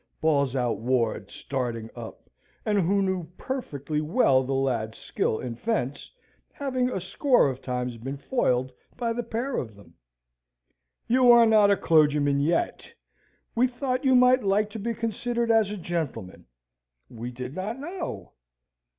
bawls out Ward, starting up, and who knew perfectly well the lads' skill in fence, having a score of times been foiled by the pair of them. "You are not a clergyman yet. We thought you might like to be considered as a gentleman. We did not know."